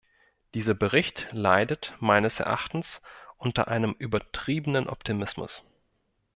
Dieser Bericht leidet meines Erachtens unter einem übertriebenen Optimismus.